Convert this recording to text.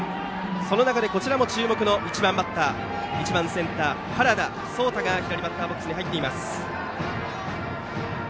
その中でこちらも注目の１番センター、原田颯太が左バッターボックスに入ります。